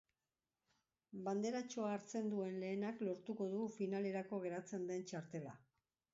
Banderatxoa hartzen duen lehenak lortuko du finalerako geratzen den txartela.